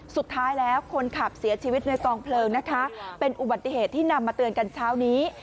สุดท้ายแล้วคนขับเสียชีวิตในกองเพลิงนะคะเป็นอุบัติเหตุที่นำมาเตือนกันเช้านี้